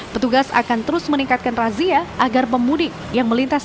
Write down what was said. petugas akan terus meningkatkan razia agar pemudik yang melintas